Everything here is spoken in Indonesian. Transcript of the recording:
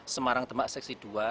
semarang tembak seksi dua